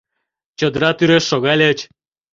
Чодыра тӱреш шогальыч.